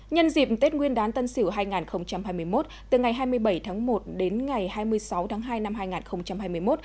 nhân dịp tết nguyên đán tân sửu hai nghìn hai mươi một từ ngày hai mươi bảy tháng một đến ngày hai mươi sáu tháng hai năm hai nghìn hai mươi một